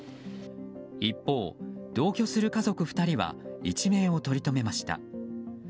一方、同居する家族２人は一命をとりとめました。